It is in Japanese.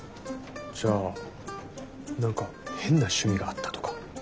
じゃあ何か変な趣味があったとか？